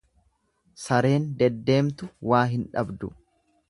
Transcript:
Sareen deddeemtu waa hin dhabdu.